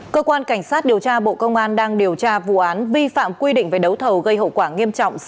cơ quan cảnh sát điều tra bộ công an đang điều tra vụ án vi phạm quy định về đấu thầu gây hậu quả nghiêm trọng